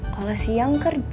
kalau siang kerja